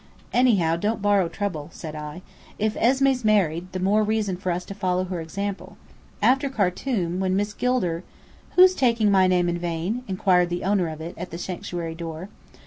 "Anyhow, don't borrow trouble," said I. "If Esmé's married the more reason for us to follow her example. After Khartum, when Miss Gilder " "Who's taking my name in vain?" inquired the owner of it, at the sanctuary door.